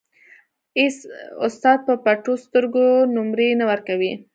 اېڅ استاد په پټو سترګو نومرې نه ورکوي.